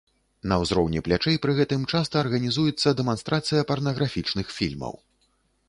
На ўзроўні плячэй пры гэтым часта арганізуецца дэманстрацыя парнаграфічных фільмаў.